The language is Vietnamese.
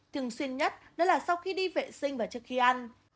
thường xuyên nhất đó là sau khi đi vệ sinh và trước khi ăn